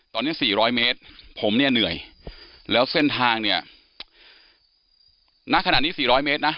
ตอนนี้๔๐๐เมตรผมเนี่ยเหนื่อยแล้วเส้นทางเนี่ยณขณะนี้๔๐๐เมตรนะ